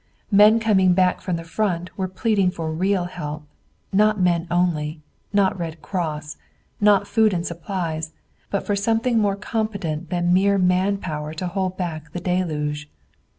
Men coming back from the Front were pleading for real help, not men only, not Red Cross, not food and supplies, but for something more competent than mere man power to hold back the deluge.